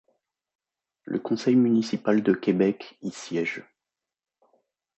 Le Conseil municipal de Québec y siège.